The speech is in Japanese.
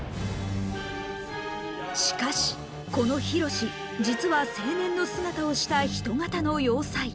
しかしこのヒロシ実は青年の姿をした人型の要塞。